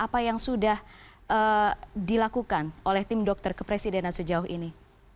apa yang sudah dilakukan oleh tim dokter kepresidenan sejauh ini